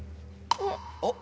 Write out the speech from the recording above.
あっ。